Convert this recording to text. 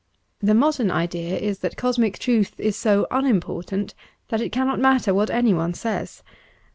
The modern idea is that cosmic truth is so unimportant that it cannot matter what anyone says.